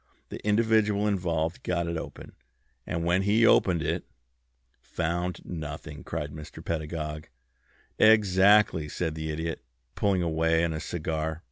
The individual involved got it open; and when he opened it " "Found nothing!" cried Mr. Pedagog. "Exactly," said the Idiot, pulling away on his cigar.